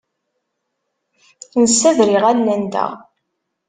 Nessader iɣallen-nteɣ.